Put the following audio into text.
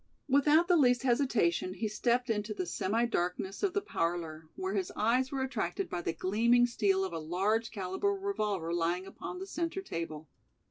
Without the least hesitation he stepped into the semi darkness of the parlor, where his eyes were attracted by the gleaming steel of a large caliber revolver lying upon the center table.